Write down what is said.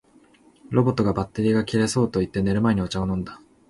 ロボットが「バッテリーが切れそう」と言って、寝る前にお茶を飲んだ